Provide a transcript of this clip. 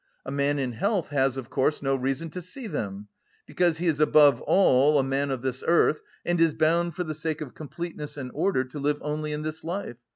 A man in health has, of course, no reason to see them, because he is above all a man of this earth and is bound for the sake of completeness and order to live only in this life.